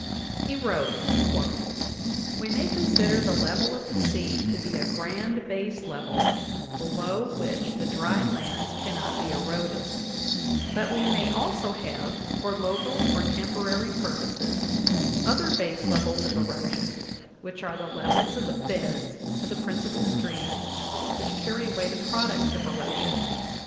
He wrote : "We may consider the level of the sea to be a grand base level, below which the dry lands cannot be eroded ; but we may also have, for local or temporary purposes, other/ base levels of erosion, which are the levels of the beds of the prin cipal streams which carry away the products of erosion.